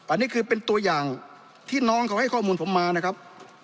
อันนี้คือเป็นตัวอย่างที่น้องเขาให้ข้อมูลผมมานะครับ